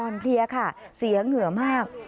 เพลียค่ะเสียเหงื่อมาก